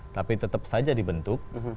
tapi tetap saja dibentuk